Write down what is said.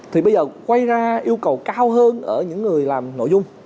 thì bây giờ quay ra yêu cầu cao hơn ở những người làm nội dung